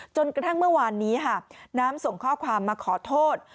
จนกระทั่งเมื่อวานนี้ค่ะน้ำส่งข้อความมาขอโทษ